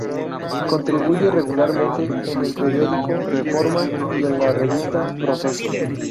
Contribuye regularmente en el periódico "Reforma" y en la revista "Proceso".